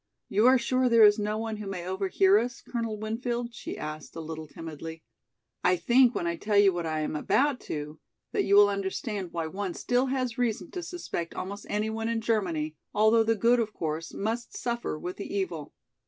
"You are sure there is no one who may overhear us, Colonel Winfield?" she asked a little timidly. "I think when I tell you what I am about to that you will understand why one still has reason to suspect almost any one in Germany, although the good of course must suffer with the evil."